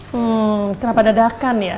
hmm kenapa dadakan ya